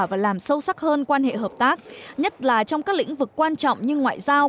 và làm sâu sắc hơn quan hệ hợp tác nhất là trong các lĩnh vực quan trọng như ngoại giao